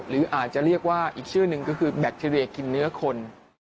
หรืออาจจะเรียกว่าอีกชื่อหนึ่งก็คือแบคทีเรียกินเนื้อคน